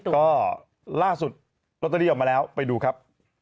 ก็ล่าสุดลอตเตอรี่ออกมาแล้วไปดูครับ